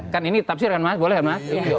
kan ini tafsir kan mas boleh ya mas